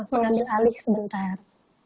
mengambil alih sebentar